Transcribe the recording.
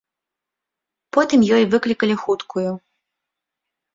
Потым ёй выклікалі хуткую.